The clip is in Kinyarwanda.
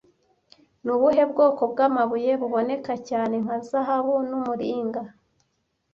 Ni ubuhe bwoko bw'amabuye buboneka cyane nka zahabu n'umuringa